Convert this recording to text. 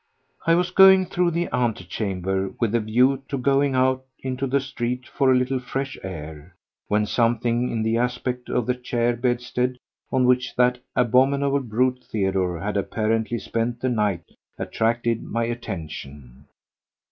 I was going through the antechamber with a view to going out into the street for a little fresh air when something in the aspect of the chair bedstead on which that abominable brute Theodore had apparently spent the night attracted my attention.